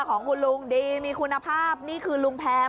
ขายมาตั้งสี่สิบกว่าปีแล้ว